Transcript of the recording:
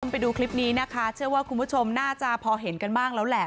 ไปดูคลิปนี้นะคะเชื่อว่าคุณผู้ชมน่าจะพอเห็นกันบ้างแล้วแหละ